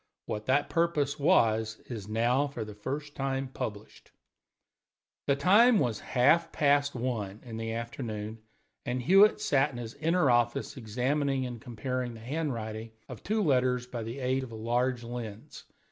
What that purpose was is now for the first time published. The time was half past one in the afternoon, and Hewitt sat in his inner office examining and comparing the handwriting of two letters by the aid of a large lens.